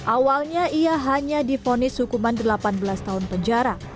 awalnya ia hanya difonis hukuman delapan belas tahun penjara